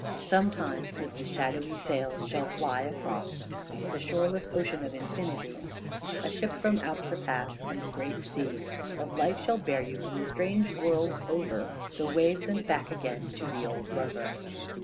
Sometime with shadowy sails shall fly across The shoreless ocean of infinity A ship from out the past, and the great sea Of life shall bear you from the strange worlds over The waves, and back again to the old lover.